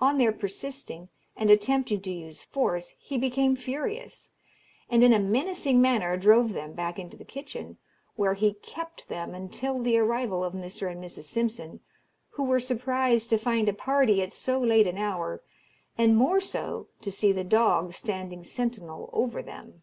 On their persisting and attempting to use force he became furious, and in a menacing manner drove them back into the kitchen, where he kept them until the arrival of Mr. and Mrs. Simpson, who were surprised to find the party at so late an hour, and more so to see the dog standing sentinel over them.